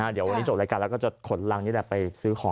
เดี๋ยววันนี้จบรายการแล้วก็จะขนรังนี่แหละไปซื้อของ